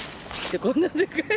こんなでかい。